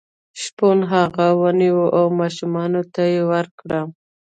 شپون هغه ونیو او ماشومانو ته یې ورکړ.